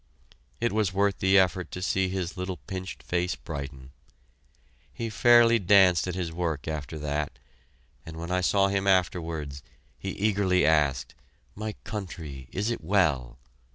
It was worth the effort to see his little pinched face brighten. He fairly danced at his work after that, and when I saw him afterwards, he eagerly asked "My country is it well?"